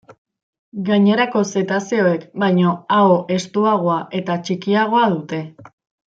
Gainerako zetazeoek baino aho estuagoa eta txikiagoa dute.